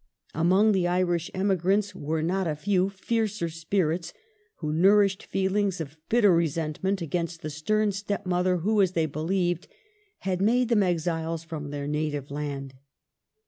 Among the Irish emigrants were not a few fiercer spirits, who nourished feelings of bitter resentment against the stern step mother who, as they believed, had made them exiles from their native land.